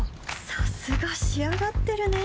さすが仕上がってるね